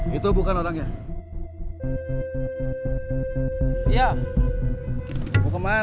masukkan kasanah percopetan